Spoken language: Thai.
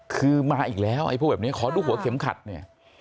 คือมาอีกแล้วไอ้พวกแบบนี้ขอดูหัวเข็มขัดเนี่ย